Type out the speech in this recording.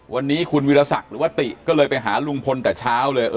วันนี้คุณวิรสักหรือว่าติก็เลยไปหาลุงพลแต่เช้าเลย